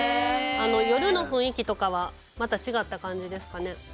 夜の雰囲気とかはまた違った感じですか？